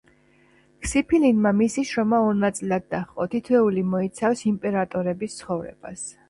ქსიფილინმა მისი შრომა ორ ნაწილად დაჰყო, თითოეული მოიცავს იმპერატორების ცხოვრებას.